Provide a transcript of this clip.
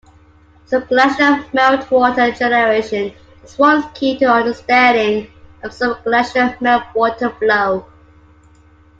Subglacial meltwater generation is one key to the understanding of subglacial meltwater flow.